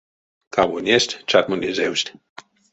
Кавонест чатьмонезевсть.